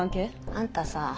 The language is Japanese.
あんたさ